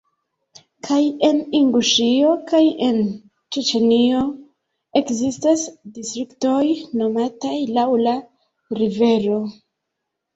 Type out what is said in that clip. Kaj en Inguŝio kaj en Ĉeĉenio ekzistas distriktoj nomataj laŭ la rivero.